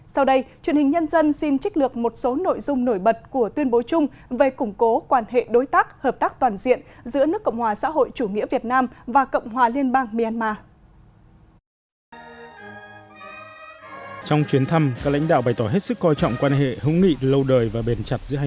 sau đây truyền hình nhân dân xin trích lược một số nội dung nổi bật của tuyên bố chung về củng cố quan hệ đối tác hợp tác toàn diện giữa nước cộng hòa xã hội chủ nghĩa việt nam và cộng hòa liên bang myanmar